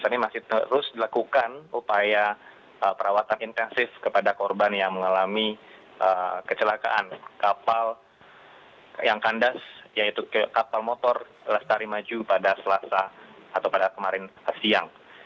ini masih terus dilakukan upaya perawatan intensif kepada korban yang mengalami kecelakaan kapal yang kandas yaitu kapal motor lestari maju pada selasa atau pada kemarin siang